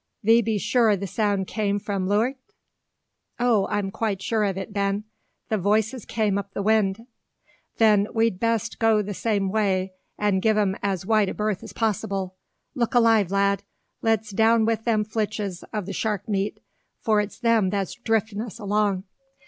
Thee be sure the sound come from leuart?" "O, I am quite sure of it, Ben; the voices came up the wind." "Then we'd best go the same way and gie 'em as wide a berth as possible. Look alive, lad! Let's down wi' them flitches o' the shark meat: for it's them that's driftin' us along.